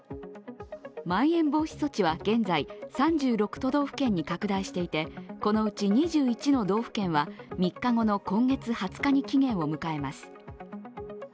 まん延防止措置は現在、３６都道府県に拡大していてこのうち２１の道府県は３日後の今月２０日に期限を迎えます。